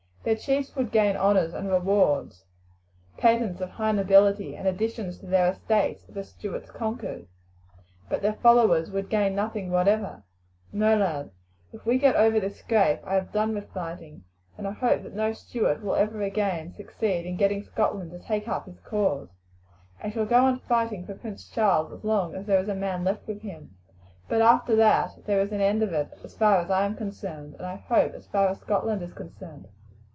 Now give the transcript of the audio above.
Their chiefs would gain honours and rewards, patents of high nobility, and additions to their estates if the Stuarts conquered, but their followers would gain nothing whatever. No, lad, if we get over this scrape I have done with fighting; and I hope that no Stuart will ever again succeed in getting Scotland to take up his cause. I shall go on fighting for Prince Charles as long as there is a man left with him; but after that there is an end of it as far as I am concerned, and I hope as far as Scotland is concerned."